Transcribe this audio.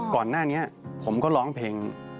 ก่อนหน้านี้ผมก็ร้องเพลง